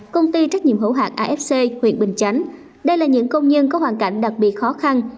công ty trách nhiệm hữu hạng afc huyện bình chánh đây là những công nhân có hoàn cảnh đặc biệt khó khăn